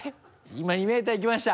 今２ｍいきました！